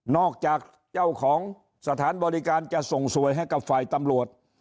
อกจากเจ้าของสถานบริการจะส่งสวยให้กับฝ่ายตำรวจ